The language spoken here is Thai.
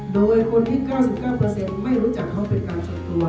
โดยคนที่๙๙เปอร์เซ็นต์ไม่รู้จักเขาเป็นการชดตัว